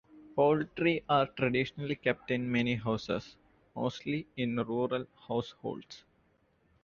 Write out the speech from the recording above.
Poultry are traditionally kept in many houses, mostly in rural households.